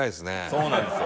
「そうなんですよ」